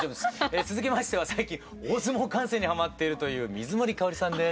続きましては最近大相撲観戦にハマっているという水森かおりさんです。